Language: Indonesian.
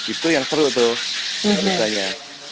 itu yang seru tuh lukanya